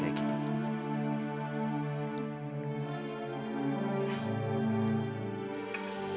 tapi mari kita dengar